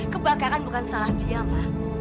kebakeran bukan salah dia ma